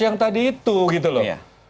yang tadi itu gitu loh